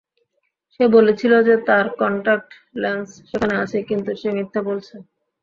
সে বলেছিল যে তার কন্ট্যাক্ট লেন্স সেখানে আছে কিন্তু সে মিথ্যা বলছে।